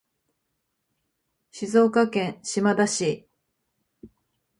静岡県島田市